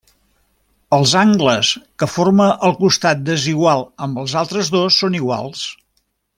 Els angles que forma el costat desigual amb els altres dos són iguals.